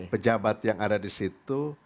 pejabat yang ada di situ